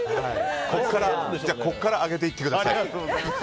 ここから上げていってください。